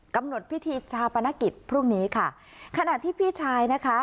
กำหนดพิธีชาปนกิจพรุ่งนี้ค่ะขณะที่พี่ชายนะคะ